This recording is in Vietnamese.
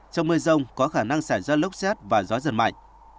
trong mưa rông có khả năng xảy ra lốc xét và gió giật mạnh